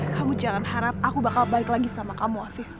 kamu jangan harap aku bakal balik lagi sama kamu afif